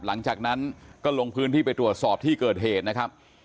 หลังจากนั้นก็ลงพื้นที่ไปตรวจสอบที่เกิดเหตุนะครับ